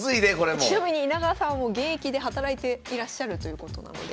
ちなみに伊奈川さん現役で働いていらっしゃるということなので。